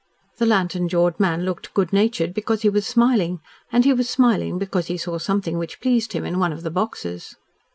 The lantern jawed man looked good natured because he was smiling, and he was smiling because he saw something which pleased him in one of the boxes.